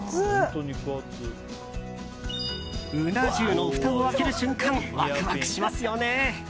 うな重のふたを開ける瞬間ワクワクしますよね。